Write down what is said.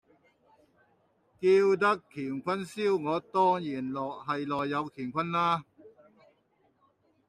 叫得乾坤燒鵝，當然係內有乾坤啦